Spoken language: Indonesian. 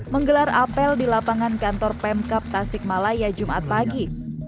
menggelar apel di lapangan kantor pemkap tasikmalaya jumat pagi